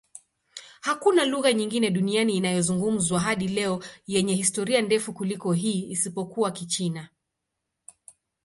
Hakuna lugha nyingine duniani inayozungumzwa hadi leo yenye historia ndefu kuliko hii, isipokuwa Kichina.